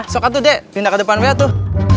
sokak tuh dek pindah ke depan wia tuh